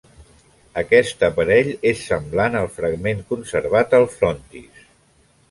Aquest aparell és semblant al fragment conservat al frontis.